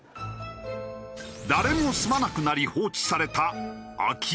誰も住まなくなり放置された空き家。